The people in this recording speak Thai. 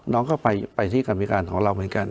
น้องก็ไปที่กรรมพิการของเราเหมือนกัน